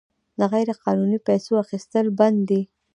د غیرقانوني پیسو اخیستل بند دي؟